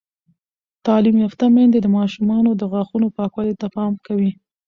تعلیم یافته میندې د ماشومانو د غاښونو پاکوالي ته پام کوي.